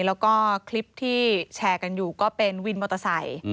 แล้วก็คลิปที่แชร์กันอยู่ก็เป็นวินมอเตอร์ไซค์